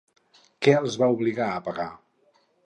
Què els va obligar a pagar?